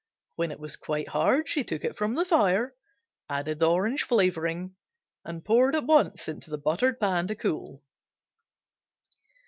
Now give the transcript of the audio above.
When it was quite hard she took it from the fire, added the orange flavoring and poured at once into the buttered pan to cool.